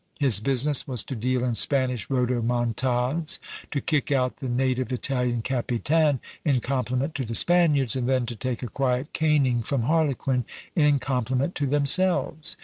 His business was to deal in Spanish rhodomontades, to kick out the native Italian Capitan, in compliment to the Spaniards, and then to take a quiet caning from Harlequin, in compliment to themselves.